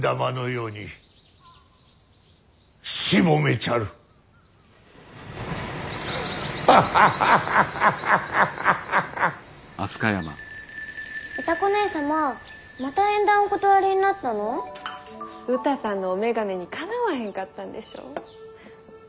うたさんのお眼鏡にかなわへんかったんでしょう。